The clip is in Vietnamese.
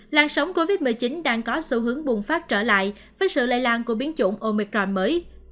lan sóng covid một mươi chín đang có xu hướng bùng phát trở lại với sự lây lan của biến chủng omicron mới